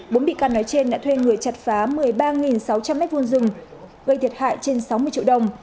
bốn bị can nói trên đã thuê người chặt phá một mươi ba sáu trăm linh m hai rừng gây thiệt hại trên sáu mươi triệu đồng